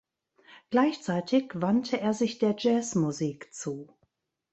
Gleichzeitig wandte er sich der Jazzmusik zu.